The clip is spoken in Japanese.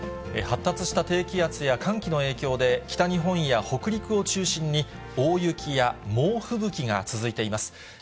発達した低気圧や寒気の影響で、北日本や北陸を中心に、大雪や猛吹雪が続いています。